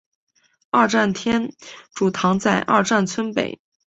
二站天主堂在二站村北。